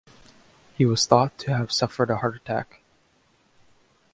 He was thought to have suffered a heart attack.